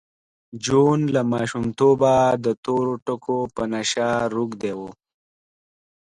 جون له ماشومتوبه د تورو ټکو په نشه روږدی و